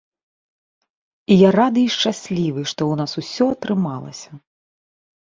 І я рады і шчаслівы, што ў нас усё атрымалася.